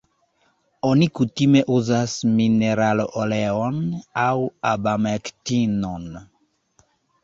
Oni kutime uzas mineraloleon aŭ abamektinon.